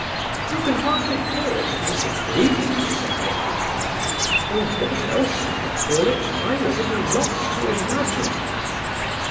"You can hardly call it a disagreement, Sir Edward," though what else he could call it, I was at a loss to imagine.